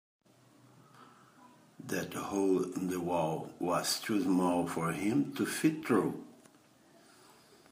That hole in the wall was too small for him to fit through.